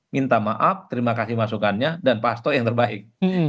minta maaf terima kasih masukannya dan pak hasto yang terbaik